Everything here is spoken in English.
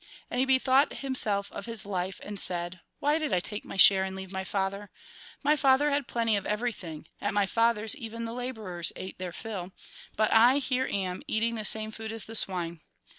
And he bethought O himself of his life, and said :' Why did I take my share and leave my father ? My father had plenty of everything; at my father's, even labourers ate their fill. But I here arn eating the same food as the swine.